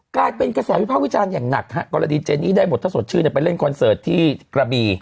กลายเป็นกระแสวิภาพวิจารณ์อย่างหนักฮะกรณีเจนี่ได้หมดถ้าสดชื่นไปเล่นคอนเสิร์ตที่กระบี